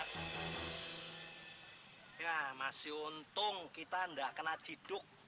ya masih untung kita tidak kena ciduk